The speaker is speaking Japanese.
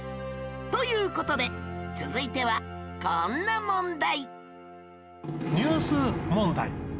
という事で続いてはこんな問題